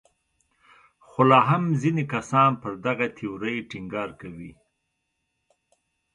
خو لا هم ځینې کسان پر دغې تیورۍ ټینګار کوي.